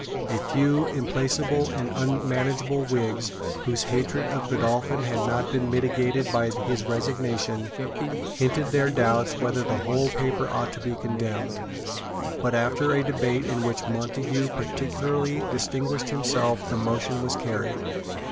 A few implacable and unmanageable Whigs, whose hatred of Godolphin had not been mitigated by his resignation, hinted their doubts whether the whole paper ought to be condemned. But after a debate in which Montague particularly distinguished himself the motion was carried.